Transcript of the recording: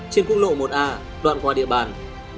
trên khu lộ một a đoạn qua địa bàn